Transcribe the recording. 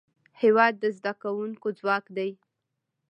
هېواد د زدهکوونکو ځواک دی.